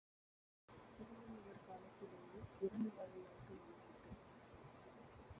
திருவள்ளுவர் காலத்திலேயே இரந்து வாழும் வாழ்க்கை வந்து விட்டது.